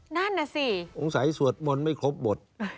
นั่นน่ะสิสงสัยสวดมนต์ไม่ครบบท